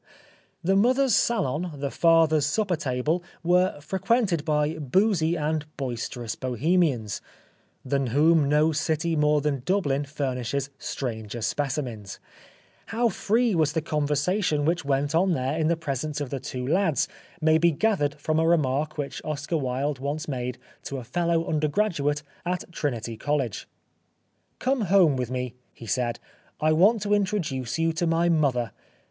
The mother's salon, the father's supper table were frequented by boozy and boisterous Bohemians, than whom no city more than Dublin furnishes stranger specimens. How free was the conversation which went on there in the presence of the two lads may be 95 The Life of Oscar Wilde gathered from a remark which Oscar Wilde once made to a fellow undergraduate at Trinity College. "Come home with me," he said, "I want to introduce you to my mother.